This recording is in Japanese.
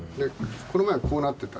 この前はこうなってた。